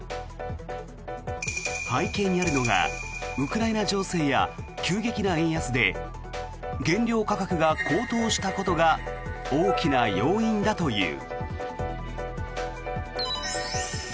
背景にあるのがウクライナ情勢や急激な円安で原料価格が高騰したことが大きな要因だという。